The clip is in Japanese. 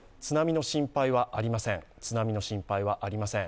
津波の心配はありません。